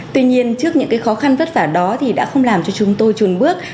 tuy nhiên trước những khó khăn vất vả đó thì đã không làm cho chúng tôi trùn bước